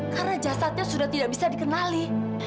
karena jasadnya sudah tidak bisa dikenali